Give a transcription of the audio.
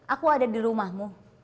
aku ada di rumahmu